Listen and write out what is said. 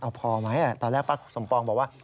เอาพอไหมตอนแรกป้าสมปองบอกว่า